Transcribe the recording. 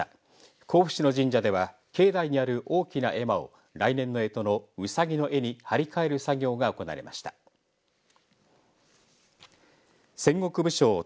甲府市の神社では境内にある大きな絵馬を来年のえとのうさぎの絵に張り替える作業が行われました。